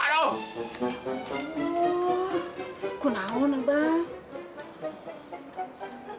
aduh aku naon abah